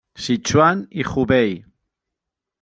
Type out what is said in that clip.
Sichuan i Hubei.